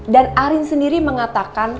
dan arin sendiri mengatakan